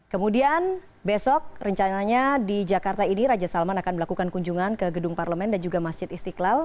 kemudian besok rencananya di jakarta ini raja salman akan melakukan kunjungan ke gedung parlemen dan juga masjid istiqlal